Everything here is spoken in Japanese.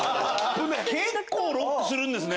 結構ロックするんですね。